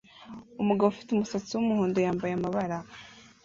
Umugabo ufite umusatsi wumuhondo wambaye amabara